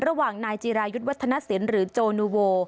ระหว่างนายจีรายุทธนสินหรือโจนูโว